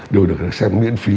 đều được xem miễn phí